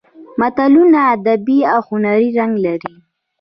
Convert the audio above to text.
متلونه ادبي او هنري رنګ لري